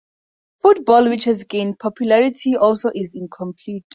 Football, which has gained popularity, also is incomplete.